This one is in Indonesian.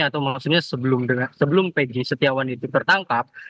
atau maksudnya sebelum peggy setiawan itu tertangkap